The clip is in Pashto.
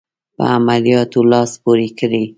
په عملیاتو لاس پوري کړي.